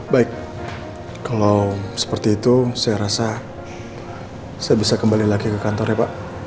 baik kalau seperti itu saya rasa saya bisa kembali lagi ke kantor ya pak